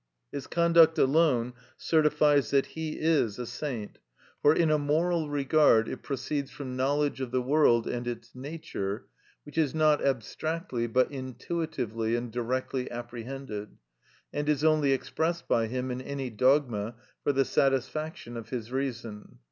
His conduct alone certifies that he is a saint, for, in a moral regard, it proceeds from knowledge of the world and its nature, which is not abstractly but intuitively and directly apprehended, and is only expressed by him in any dogma for the satisfaction of his reason.